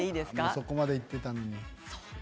そこまでいっていたのに。